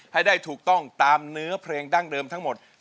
ให้ได้ถูกต้องตามเนื้อเพลงดั้งเดิมทั้งหมด